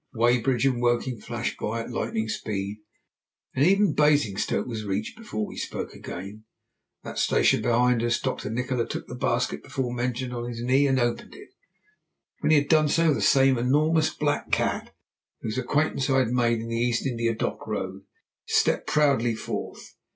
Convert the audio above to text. Weybridge and Woking flashed by at lightning speed, and even Basingstoke was reached before we spoke again. That station behind us, Dr. Nikola took the basket before mentioned on his knee, and opened it. When he had done so, the same enormous black cat, whose acquaintance I had made in the East India Dock Road, stepped proudly forth.